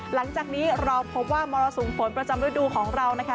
หลังจากนี้เราพบว่ามรสุมฝนประจำฤดูของเรานะคะ